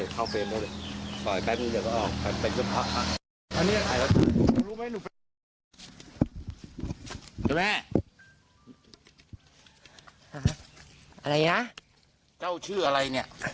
เจ้าชื่ออะไร